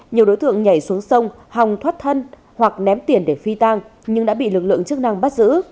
nhiều đối tượng nhảy xuống sông hòng thoát thân hoặc ném tiền để phi tang nhưng đã bị lực lượng chức năng bắt giữ